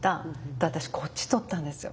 私こっち取ったんですよ。